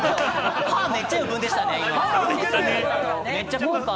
歯がめっちゃ余計でしたね、後悔。